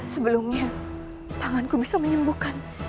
sebelumnya tanganku bisa menyembuhkan